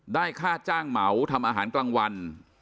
ค่าจ้างเหมาทำอาหารกลางวัน